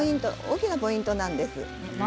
大きなポイントなんです。